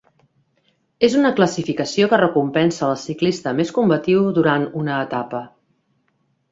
És una classificació que recompensa el ciclista més combatiu durant una etapa.